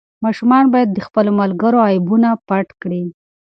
ماشومان باید د خپلو ملګرو عیبونه پټ کړي.